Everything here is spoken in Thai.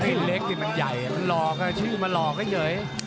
ไม่เล็กแต่มันใหญ่มันหลอกชื่อมันหลอกให้เย้ย